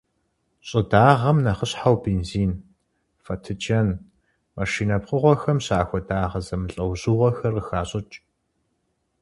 ЩӀыдагъэм нэхъыщхьэу бензин, фэтыджэн, машинэ пкъыгъуэхэм щахуэ дагъэ зэмылӀэужьыгъуэхэр къыхащӀыкӀ.